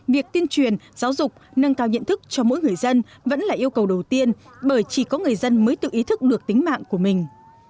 việc tuyên truyền giáo dục nâng cao nhận thức cho mỗi người dân vẫn là yêu cầu đầu tiên bởi chỉ có người dân mới tự ý thức được tính mạng của mình